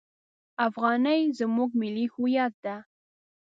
افغانۍ زموږ ملي هویت ده!